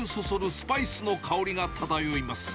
スパイスの香りが漂います。